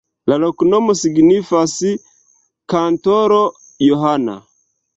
La loknomo signifas: kantoro-Johana.